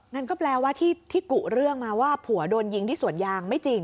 นั่นก็แปลว่าที่กุเรื่องมาว่าผัวโดนยิงที่สวนยางไม่จริง